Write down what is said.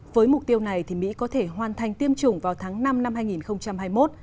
với mục tiêu này mỹ có thể hoàn thành tiêm chủng vào tháng năm năm hai nghìn hai mươi một